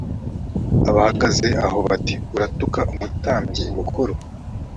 abahagaze aho bati “uratuka umutambyi mukuru…”